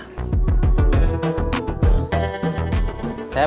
tidak ada yang bisa dikira